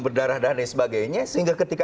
berdarah dan lain sebagainya sehingga ketika